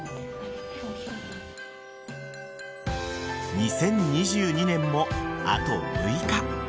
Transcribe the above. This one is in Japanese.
２０２２年もあと６日。